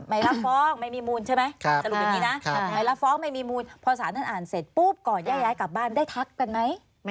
ไม่รับฟ้องไม่มีมูลใช่ไหม